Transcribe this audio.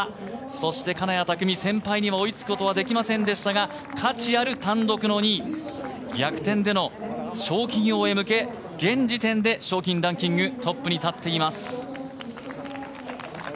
そして金谷拓実、先輩に追いつくことはできませんでしたが価値ある単独の２位逆転での賞金王へ向け現時点で賞金ランキングトップに立っています。